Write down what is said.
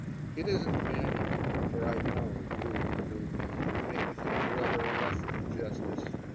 It isn't vanity (for I know you'll do me, if anything, rather less than justice